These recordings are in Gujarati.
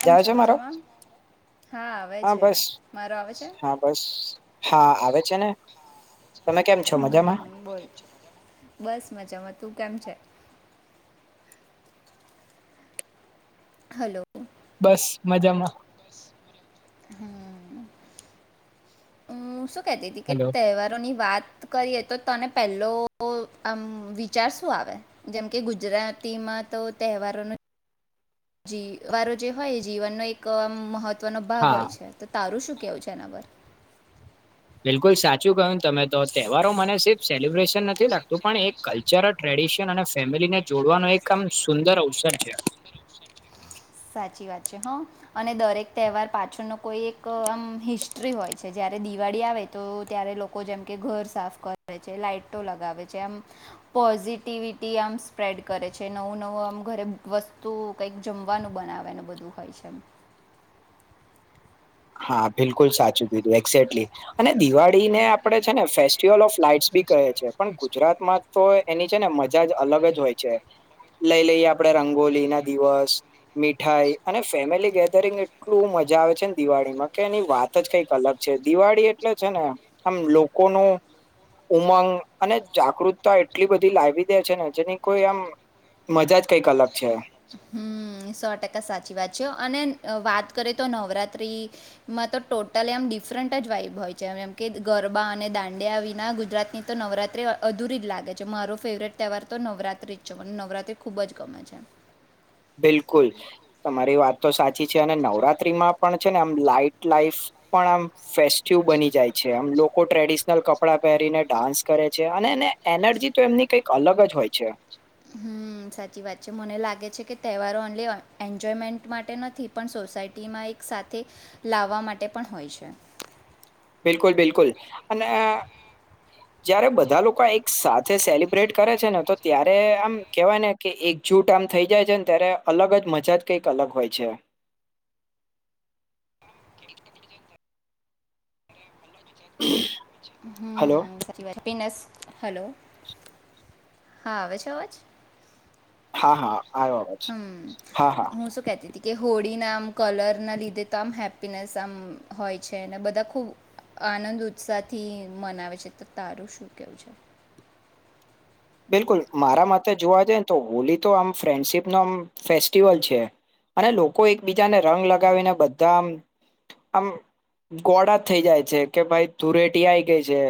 કેમ જાય છે મારો મજામાં આવે હા છે બસ મારો આવે છે હા બસ હા આવે છે ને તમે કેમ છો મજામાં હમ બોલ બસ મજામાં તું તેમ છે હલો બસ મજામાં હું શું કતી હતી કે હલો તહેવારો ની વાત કરીએ તો તને પહેલો આમ વિચાર શું આવે જેમ કે ગુજરાતીમાં તો તહેવારોનો જીવારો જે હોય એ જીવનનો એક આમ મહત્વ મહત્વનો ભાગ હા હોય છે તો તારું શું કેવુ છે એનાપર બિલકુલ સાચું કહું તમે તો તહેવારો મને સ સેલિબ્રેશન નથી લાગતું પણ એ કલ્ચરલ ટ્રેડિશન અને ફેમિલીને જોડવાનો એક આમ સુંદર અવસર છે સાચી વાત છે હા અને દરેક તહેવાર પાછળનો. કોઈ એક આમ હિસ્ટ્રી હોય છે જયારે દ. દિવાળી આવે તો ત્યારે લોકો જેમ કે ઘર સાફ કરે છે લાાઈટો લગાવે છે આમ પોઝિટિવિટી આમ સ્પ્રેડ કરે છે નવું નવું આમ ઘરે વસ્તુ કઈક જમ. ખવાનું બનાવેનું બધું હોય છે એમ. હા બિલકુલ સાચું છે. લી અને દિવાળી. ડીને આપે છે ને ફેસ્ટિવલ ઓફ લાાઈટસ બી કહે છે પણ ગુજરાતમાં તો એની છે ને મજા જ અલગ જ હોય છે લઈ લઈ આપડે રંગોલી ના દિવસ મીઠાઈ અને ફેમિલી ગેધરિંગ એટલું મજા આવે છે. દિવાળીમાં કે એની વાત જ કઈક અલગ છે દિવાળી એટલે છે ને આમ લોકો ન ઉમંગ અને જાગૃતતા એટલી બધી લાવી દે છે ને જેની કોઈ આમ મજા જ કઈક અલગ છે. સો ટકા સાચી વાત છે અને વાત કરીએ તો નવરાતિમાં તો ટોટલ એમ ડિફરન્ટ જ વાઇબ હોય છેમ એમ કે ગરબા અને દાંડિયા વિના ગુજરાતની તો નવરાત્રિ અધૂરી જ લાગે છે મારો ફેવરેટ તહેવાર તો નવરાત્ર્રી જ છે મને નવરાત્રિ ખૂબ જ ગમે છે. બિલકુલ તમારી વાત. તો સાચી છે અને નવરાત્રીમાં. પણ છે ને આમ લાઈટ લાઈફ પણ આમ ફેસ્ટિવ બની જાય છે આમ લોકો ટ્રેડિશનલ કપડાં પહેરીને ડાન્સ કરે છે અને એને એનર્જી તો એમની કઈક અલગ જ હોય છે. હમ સાચી વાત છે મને લાગે છે કે તહેવારો ઓનલી એન્જોયમેન્ટ માટે નથી પણ સોસાયટીમાં એક સાથે લાવવા માટે પણ હોય છે. બિલકુલ બિલકુલ અને જય્યારે બધા લોકો એક સાથે સેલિબ્રેટ કરે છે ને તો ત્યારે આમ કેહેવાય ને કે એકજૂટ આમ થઇ જાય છે ને ત્યારે અલગ જ મજા જ કઈક અલગ હોય છે. [inaudible] હલો હમ સરી વા પન. હેલો હા આવે છે અવાજ. હા હા. આવ્યો અવાજ હમ હા હા હું શું કતી હતી કે. હોળીના આમ કલરના લીધે તો આમ હેપીનેસ આમ હોય છે અને બધા ખૂબ આનંદ ઉત્સાહથી મનાવે છે તો તારું શું કેવું છે. બિલકુલ મારા માટેથે જોવા જઈએ ને તો હોલી તો આમ ફ્રેન્ડશીપ ન આમ ફેસ્ટિવલ છે અને લોકો એકબીજાને રંગ લગાવીને બધામ આમ ગોળ થઈ જાય છે કે ભાઈ ધુરેટી આઈ ગઈ છે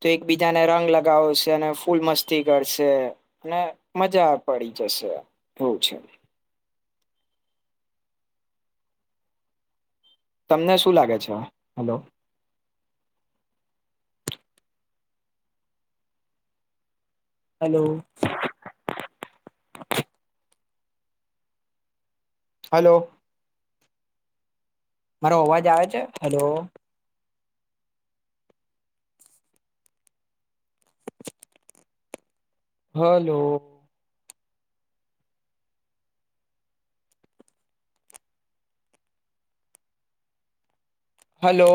તો એકબીજાને રંગ લગાવ છે અને ફૂલ મસ્તી. કરશે અને મજા પડી જશે એવું છે. તમને શું લાગે છે હેલો. હેલો. હલોલો. મારો અવાજ આવે છે hello. Hello. Hello.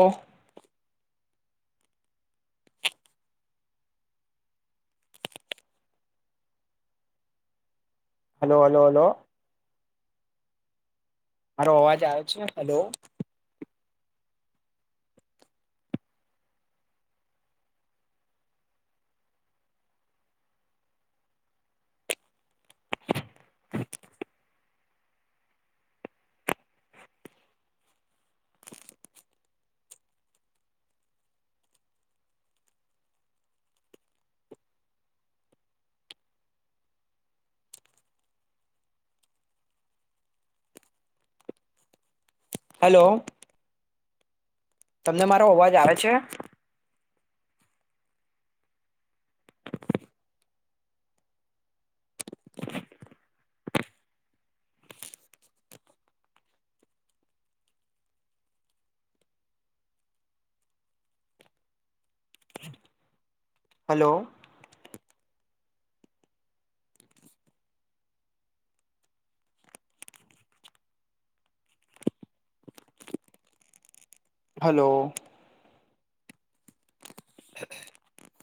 Hello hello hello. મારો અવાજ આવ છે ને હેલો. [inaudible] હેલો. તમને મારો અવાજ આવે છે. હલો. હલો. [inaudible]